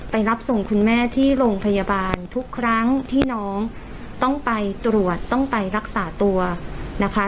รับส่งคุณแม่ที่โรงพยาบาลทุกครั้งที่น้องต้องไปตรวจต้องไปรักษาตัวนะคะ